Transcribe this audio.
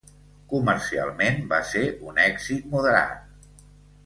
Comercialment, va ser un èxit moderat.